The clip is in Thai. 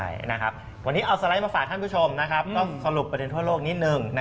ใช่นะครับวันนี้เอาสไลด์มาฝากท่านผู้ชมก็สรุปประเด็นทั่วโลกนิดนึง